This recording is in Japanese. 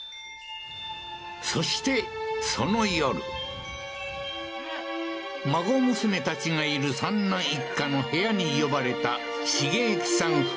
そしてその夜孫娘たちがいる３男一家の部屋に呼ばれた茂幸さん